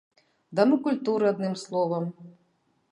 Дамы культуры, адным словам.